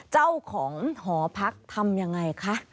เจ้าของหอพักทำยังไงคะ